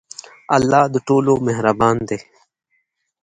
الله د ټولو مهربان دی.